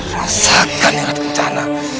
rasakan ingrat kencana